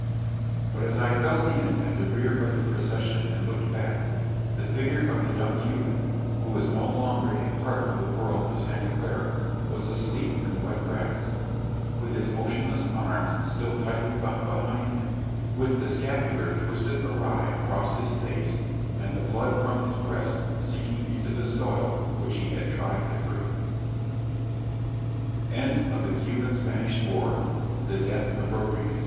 But as I fell in at the rear of the procession and looked back, the figure of the young Cuban, who was no longer a part of the world of Santa Clara, was asleep in the wet grass, with his motionless arms still tightly bound behind him, with the scapular twisted awry across his face, and the blood from his breast sinking into the soil he had tried to free. THE GREEK TURKISH WAR: THE BATTLE OF VELESTINOS The